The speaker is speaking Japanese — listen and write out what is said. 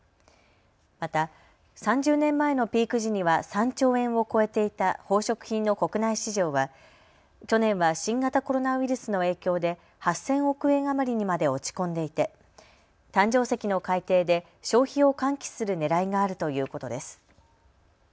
また、３０年前のピーク時には３兆円を超えていた宝飾品の国内市場は去年は新型コロナウイルスの影響で８０００億円余りにまで落ち込んでいて誕生石の改定で消費を喚起するねらいがあるということです。